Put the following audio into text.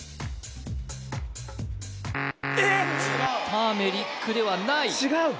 ターメリックではない違う！？